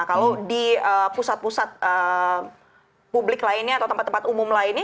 kalau di pusat pusat publik lainnya atau tempat tempat umum lainnya